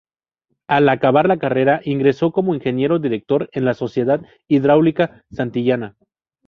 Al acabar la carrera ingresó como Ingeniero Director en la Sociedad Hidráulica Santillana.